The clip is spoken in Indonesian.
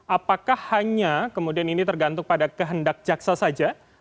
apakah hanya kemudian ini tergantung pada kehendak jaksa saja